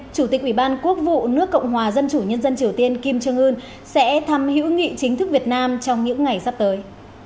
chủ tịch ủy ban quốc vụ nước cộng hòa dân chủ nhân dân triều tiên kim trương ưn sẽ thăm hữu nghị chính thức việt nam trong những ngày sắp tới